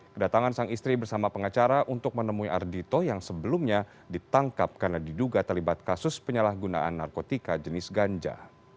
kedatangan sang istri bersama pengacara untuk menemui ardhito yang sebelumnya ditangkap karena diduga terlibat kasus penyalahgunaan narkotika jenis ganja